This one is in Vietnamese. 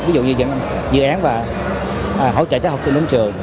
ví dụ như dự án hỗ trợ cho học sinh đến trường